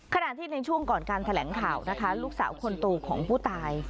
ขณะที่ในช่วงก่อนการแถลงข่าวนะคะลูกสาวคนโตของผู้ตาย